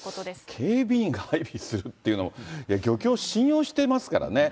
警備員が配備するっていうのも、漁協信用してますからね。